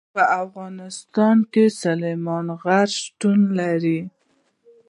په افغانستان کې سلیمان غر شتون لري.